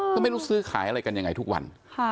ก็ไม่รู้ซื้อขายอะไรกันยังไงทุกวัน